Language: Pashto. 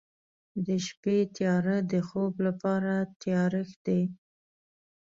د شپې تیاره د خوب لپاره تیارښت دی.